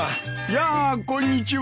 やあこんにちは。